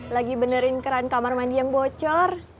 lagi benerin keran kamar mandi yang bocor